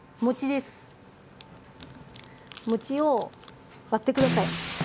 餅を割って下さい。